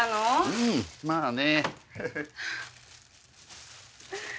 うんまぁね。